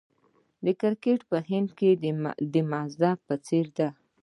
کرکټ په هند کې د مذهب په څیر دی.